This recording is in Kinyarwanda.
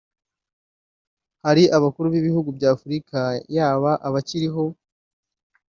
Hari Abakuru b’Ibihugu bya Afurika yaba abakiriho